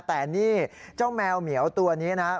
แต่นี่เจ้าแมวเหมียวตัวนี้นะครับ